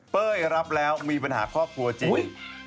รับแล้วมีปัญหาครอบครัวจริง